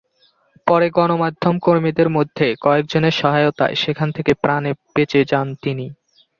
পরে গণমাধ্যমকর্মীদের মধ্যে কয়েকজনের সহায়তায় সেখান থেকে প্রাণে বেঁচে যান তিনি।